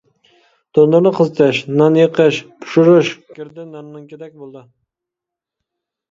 تونۇرنى قىزىتىش، ناننى يېقىش، پىشۇرۇش گىردە ناننىڭكىدەك بولىدۇ.